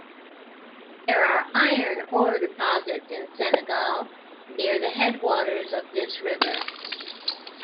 There are iron ore deposits in Senegal near the headwaters of this river.